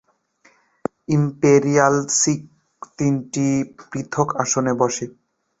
Imperial six তিনটি পৃথক আসনে বসে।